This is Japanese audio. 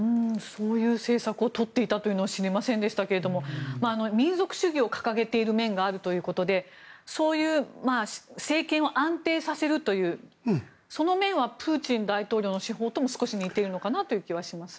そういう政策を取っていたというのは知りませんでしたけど民族主義を掲げている面があるということでそういう政権を安定させるというその面はプーチン大統領の手法とも少し似ているのかなという気はします。